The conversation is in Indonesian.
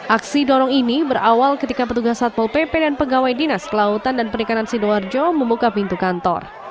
aksi dorong ini berawal ketika petugas satpol pp dan pegawai dinas kelautan dan perikanan sidoarjo membuka pintu kantor